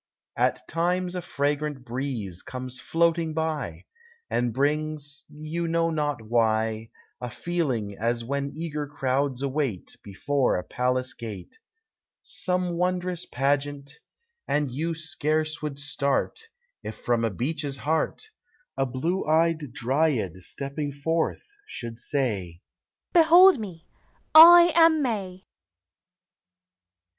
At times a fragrant breeze comes floating by, And brings, you know not why, A feeling as* when eager crowds await lief ore a palace gate Some wondrous pageant; and you scarce would start, If from a beech's heart, A blue eyed Dryad, stepping forth, should Bay, " Behold me! 1 am May!